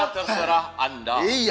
terus terserah anda